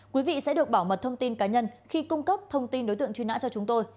quý vị sẽ được bảo mật thông tin cá nhân khi cung cấp thông tin đối tượng truy nã cho chúng tôi